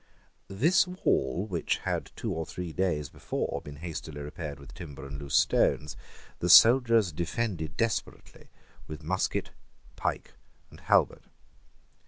This wall, which had two or three days before been hastily repaired with timber and loose stones, the soldiers defended desperately with musket, pike, and halbert.